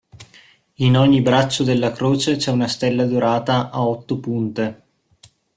In ogni braccio della croce c'è una stella dorata a otto punte.